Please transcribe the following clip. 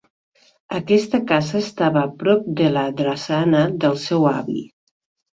Aquesta casa estava a prop de la drassana del seu avi.